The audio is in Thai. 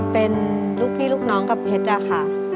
เป็นลูกพี่ลูกน้องกับเพชรอะค่ะ